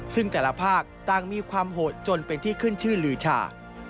ซึ่งแต่ละภาคต่างมีความโหดจนเป็นที่ขึ้นชื่อลือชา